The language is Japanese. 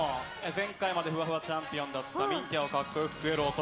前回までふわふわチャンピオンだったミンティアを格好よく食える男